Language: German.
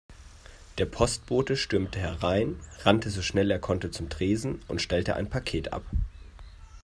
Der Postbote stürmte herein, rannte so schnell er konnte zum Tresen und stellte ein Paket ab.